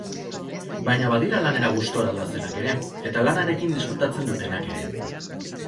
Baina badira lanera gustora doazenak ere, eta lanarekin disfrutatzen dutenak ere.